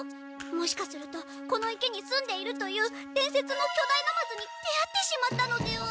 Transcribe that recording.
もしかするとこの池に住んでいるというでんせつのきょだいナマズに出会ってしまったのでは？